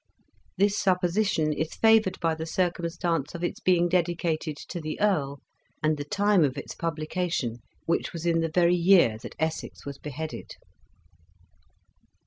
This sup position is favoured by the circumstance of its being dedicated to the Earl, and the time of its publication, which was in the very year that Essex was beheaded."